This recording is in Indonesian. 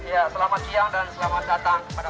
ya selamat siang dan selamat datang